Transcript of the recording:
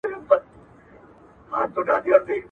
موږ بايد د مطالعې نسل ته ښه زمينه برابره کړو.